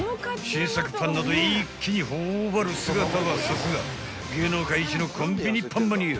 ［新作パンなど一気に頬張る姿はさすが芸能界一のコンビニパンマニア］